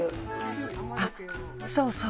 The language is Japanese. あそうそう